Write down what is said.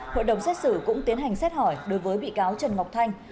hội đồng xét xử cũng tiến hành xét hỏi đối với bị cáo trần ngọc thanh